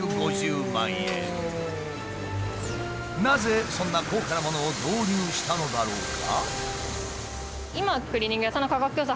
なぜそんな高価なものを導入したのだろうか？